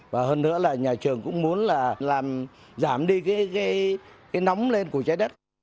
và hơn nữa là nhà trường cũng muốn là làm giảm đi cái nóng lên của trái đất